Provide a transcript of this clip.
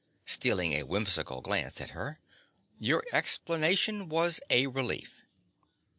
(Stealing a whimsical glance at her.) Your explanation was a relief.